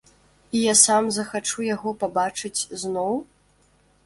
І я сам захачу яго пабачыць зноў?